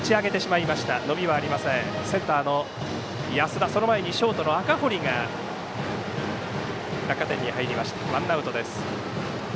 センターの安田、その前にショートの赤堀が落下点に入ってワンアウトです。